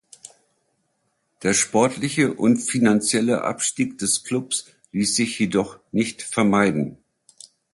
Der sportliche und finanzielle Abstieg des Klubs ließ sich jedoch nicht vermeiden.